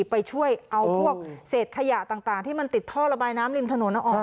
ไปช่วยเอาพวกเศษขยะต่างที่มันติดท่อระบายน้ำริมถนนออก